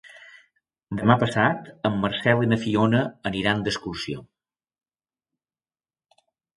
Demà passat en Marcel i na Fiona aniran d'excursió.